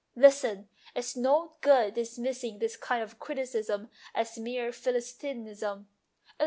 "" Listen ! It's no good dismissing this kind of criticism as mere philistinism.